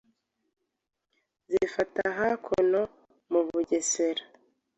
zifata hakuno mu Bugesera.